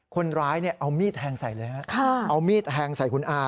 คนร้ายเนี่ยเอามีดแห่งใส่เลยนะฮะเอามีดแห่งใส่คุณอา